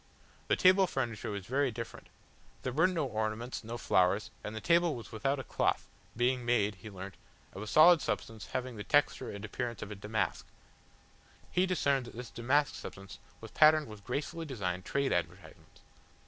The table furniture was very different. There were no ornaments, no flowers, and the table was without a cloth, being made, he learnt, of a solid substance having the texture and appearance of damask. He discerned that this damask substance was patterned with gracefully designed trade advertisements.